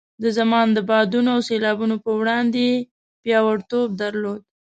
د زمان د بادونو او سیلاوونو په وړاندې یې پیاوړتوب درلود.